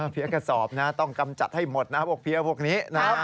เพี้ยกระสอบนะต้องกำจัดให้หมดนะพวกเพี้ยพวกนี้นะ